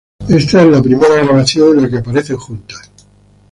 Esta es la primera grabación en la que aparecen juntas.